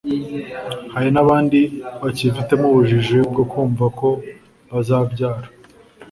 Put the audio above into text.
Hari n’abandi bakifitemo ubujiji bwo kumva ko bazabyara